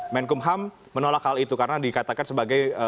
menkum ham menolak hal itu karena dikatakan sebagai